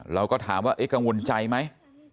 เราก็ถามว่ากังวลใจไหม